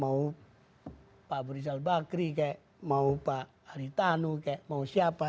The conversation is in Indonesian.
mau pak buri salbakri kayak mau pak haritanu kayak mau siapa